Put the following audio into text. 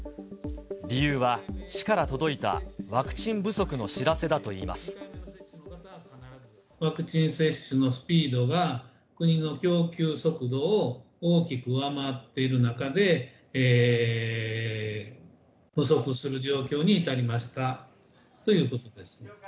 理由は、市から届いたワクチワクチン接種のスピードが、国の供給速度を大きく上回っている中で、不足する状況に至りましたということです。